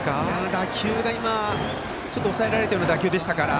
打球が今ちょっと抑えられたような打球でしたから。